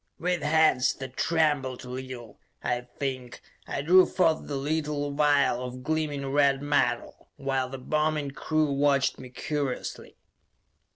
With hands that trembled a little, I think, I drew forth the little vial of gleaming red metal, while the bombing crew watched me curiously.